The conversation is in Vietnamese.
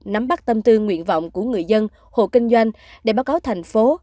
nắm bắt tâm tư nguyện vọng của người dân hộ kinh doanh để báo cáo thành phố